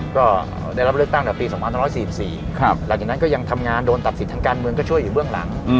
ก็ได้รับเลือกตั้งแต่ปี๒๑๔๔หลังจากนั้นก็ยังทำงานโดนตัดสิทธิ์ทางการเมืองก็ช่วยอยู่เบื้องหลัง